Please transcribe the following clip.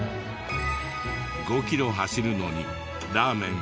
５キロ走るのにラーメン